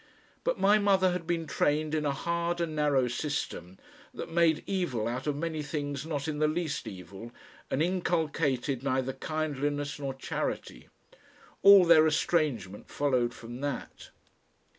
But my mother had been trained in a hard and narrow system that made evil out of many things not in the least evil, and inculcated neither kindliness nor charity. All their estrangement followed from that.